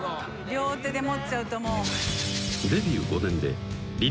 両手で持っちゃうともう。